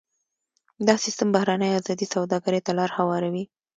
دا سیستم بهرنۍ ازادې سوداګرۍ ته لار هواروي.